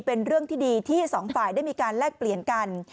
เป็นเรื่องที่ดีที่สองฝ่ายได้มีการแลกเปลี่ยนกัน